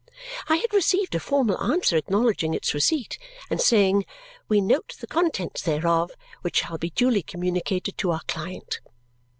I had received a formal answer acknowledging its receipt and saying, "We note the contents thereof, which shall be duly communicated to our client."